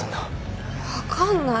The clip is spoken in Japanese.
分かんない。